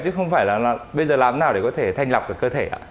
chứ không phải là bây giờ làm thế nào để có thể thanh lọc cơ thể ạ